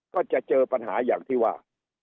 ก็จะเจอปัญหาอย่างที่ว่า